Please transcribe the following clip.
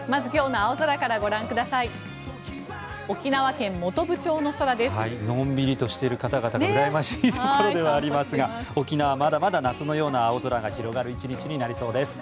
のんびりとしている方々がうらやましいところではありますが沖縄、まだまだ夏ような空が広がる１日になりそうです。